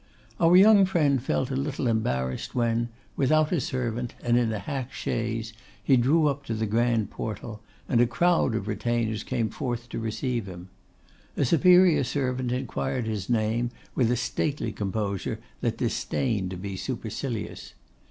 Our young friend felt a little embarrassed when, without a servant and in a hack chaise, he drew up to the grand portal, and a crowd of retainers came forth to receive him. A superior servant inquired his name with a stately composure that disdained to be supercilious.